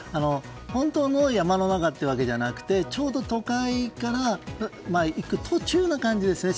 本当の山の中というわけではなくちょうど都会から行く途中な感じですね